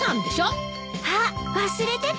あっ忘れてた。